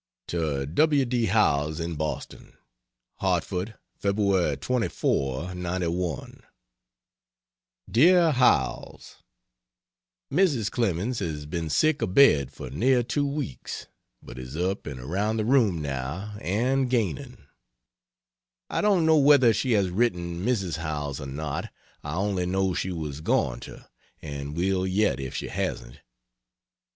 To W. D. Howells, in Boston: HARTFORD, Feb. 24, '91 DEAR HOWELLS, Mrs. Clemens has been sick abed for near two weeks, but is up and around the room now, and gaining. I don't know whether she has written Mrs. Howells or not I only know she was going to and will yet, if she hasn't.